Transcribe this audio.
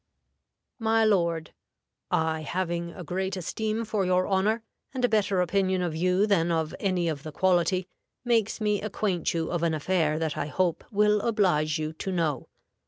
"MY LORD, I having a great esteem for your honor, and a better opinion of you than of any of the quality, makes me acquaint you of an affair that I hope will oblige you to know.